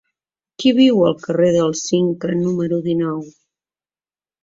Qui viu al carrer del Cinca número dinou?